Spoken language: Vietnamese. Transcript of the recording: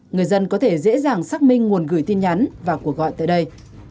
người dân có thể dễ dàng xác minh nguồn gửi tin nhắn và cuộc gọi tại đây